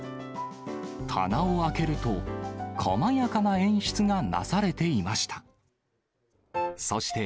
棚を開けると、細やかな演出がなされていました。